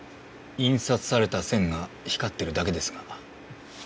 印刷された線が光ってるだけですが。